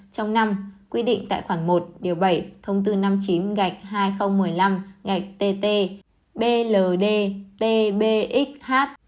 trong năm quy định tại khoảng một điều bảy thông tư năm mươi chín hai nghìn một mươi năm tt bld tbxh